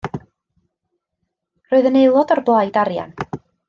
Roedd yn aelod o'r Blaid Arian.